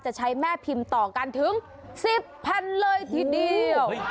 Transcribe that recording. จะใช้แม่พิมพ์ต่อกันถึง๑๐แผ่นเลยทีเดียว